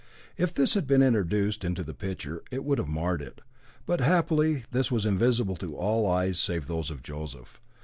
If this had been introduced into the picture it would have marred it; but happily this was invisible to all eyes save those of Joseph.